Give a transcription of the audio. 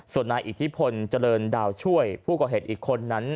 ส่วนนายอิทธิพลเจริญดาวช่วยผู้ก่อเหตุอีกคนนั้น